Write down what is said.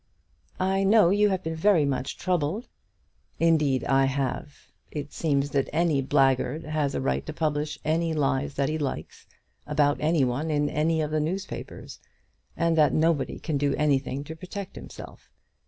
"I know you have been very much troubled." "Indeed I have. It seems that any blackguard has a right to publish any lies that he likes about any one in any of the newspapers, and that nobody can do anything to protect himself!